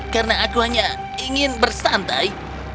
karena aku hanya ingin bersantai